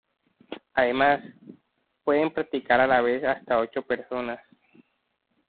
Además, pueden practicar a la vez hasta ocho personas.